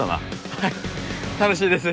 はい楽しいです